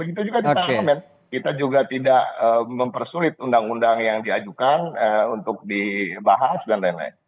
tingkat men kita juga tidak mempersulit undang undang yang diajukan untuk dibahas dan lain lain